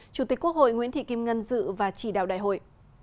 chủ tịch quốc hội nguyễn thị kim ngân dự và chỉ đạo đại hội